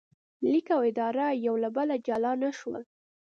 لیک او اداره یو له بله جلا نه شول.